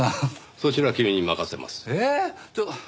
そちらは君に任せます。